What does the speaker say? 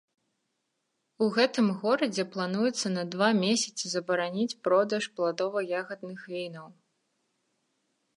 У гэтым горадзе плануецца на два месяцы забараніць продаж пладова-ягадных вінаў.